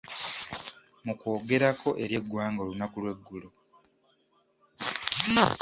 Mu kwogerako eri eggwanga olunaku lw’eggulo.